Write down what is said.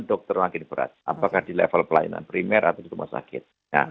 dokter makin berat apakah di level pelayanan primer atau di rumah sakit